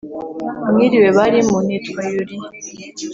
mwiriwe barimu, nitwa yuliya.